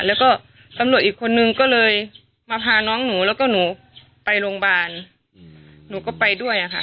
แล้วก็ตำรวจอีกคนนึงก็เลยมาพาน้องหนูแล้วก็หนูไปโรงพยาบาลหนูก็ไปด้วยอะค่ะ